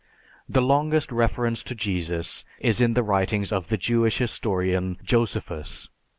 The longest reference to Jesus is in the writings of the Jewish historian, Josephus.